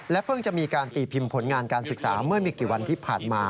เพิ่งจะมีการตีพิมพ์ผลงานการศึกษาเมื่อไม่กี่วันที่ผ่านมา